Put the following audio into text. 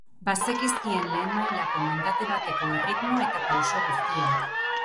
Bazekizkien lehen mailako mendate bateko erritmo eta pauso guztiak.